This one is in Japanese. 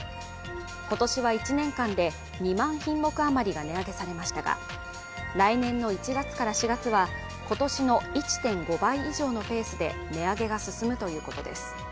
今年は１年間で２万品目余りが値上げされましたが来年の１月から４月は今年の１．５倍以上のペースで値上げが進むということです。